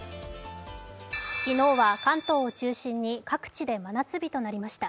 昨日は関東を中心に各地で真夏日となりました。